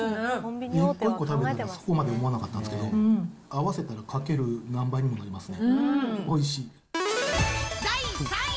一個一個ではそこまでうまなかったんですけど、合わせたら、かける何倍にもなりますね。